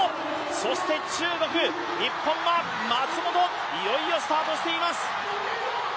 そして中国、日本は松元いよいよスタートしています。